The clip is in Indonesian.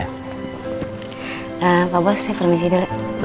pak bos saya permisi dulu